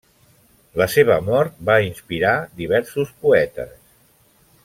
La seva mort va inspirar diversos poetes.